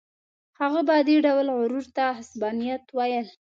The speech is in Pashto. هغه به دې ډول غرور ته عصبانیت ویل.